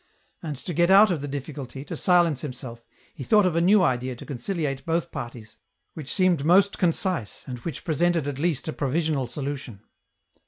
And, to get out of the difficulty, to silence himself, he thought of a new idea to conciliate both parties, which seemed most concise and which presented at least a pro visional solution.